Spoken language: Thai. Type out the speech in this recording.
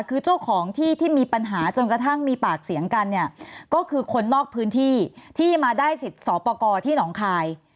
คือเจ้าของที่ที่มีปัญหาจนกระทั่งมีปากเสียงกันเนี่ยก็คือคนนอกพื้นที่ที่มาได้สิทธิ์สอบประกอบที่หนองคาย